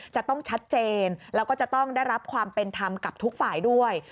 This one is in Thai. จะต้องชัดเจนแล้วก็จะต้องได้รับความเป็นธรรมกับทุกฝ่ายด้วย